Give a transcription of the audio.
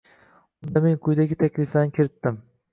Unda men quyidagi takliflarni kiritdim: